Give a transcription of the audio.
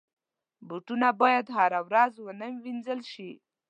بوټونه باید هره ورځ ونه وینځل شي.